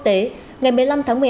sẽ được chuyển sang phần tin quốc tế